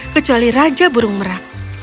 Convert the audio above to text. kecuali raja burung merah